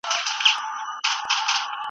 کبابي په خپله چوکۍ باندې د خوب ننداره کوله.